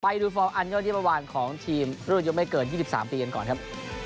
ไปดูฟอร์มอันยอดที่เมื่อวานของทีมรุ่นอายุไม่เกิน๒๓ปีกันก่อนครับ